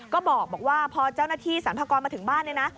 ก็บอกว่าพอเจ้าหน้าที่สรรพากรมาถึงบ้านเนี่ยนะ